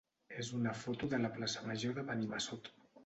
és una foto de la plaça major de Benimassot.